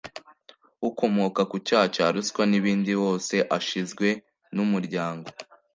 ukomoka ku cyaha cya ruswa n ibindi wose ashizwe n umuryango